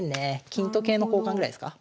金と桂の交換ぐらいですか。